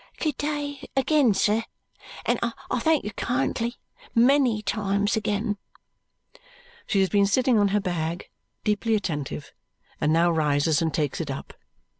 "Good day again, sir, and I thank you kindly many times again." She has been sitting on her bag, deeply attentive, and now rises and takes it up.